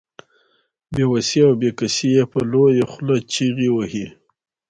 بې وسي او بې کسي يې په لويه خوله چيغې وهي.